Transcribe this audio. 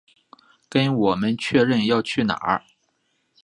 跟我们确认要去哪